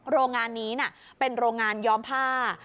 โรงงานนี้เป็นโรงงานย้อมผ้า